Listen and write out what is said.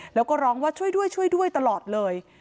แล้วก็ร้องว่าช่วยด้วยช่วยด้วยตลอดเลย